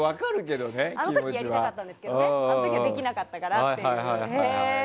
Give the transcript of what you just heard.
あの時やりたかったんですけどあの時はできなかったから。